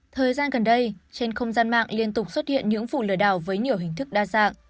thời gian gần đây trên không gian mạng liên tục xuất hiện những vụ lừa đảo với nhiều hình thức đa dạng